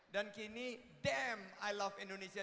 dan kini damn i love indonesia